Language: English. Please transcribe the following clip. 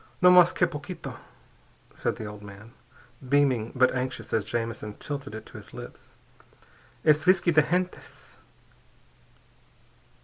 "No mas que poquito!" said the old man, beaming but anxious as Jamison tilted it to his lips. "_Es visky de gentes....